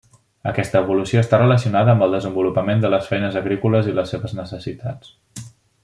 Aquesta evolució està relacionada amb el desenvolupament de les feines agrícoles i les seves necessitats.